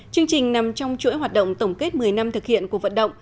chương trình nằm trong chuỗi hoạt động tổng kết một mươi năm thực hiện cuộc vận động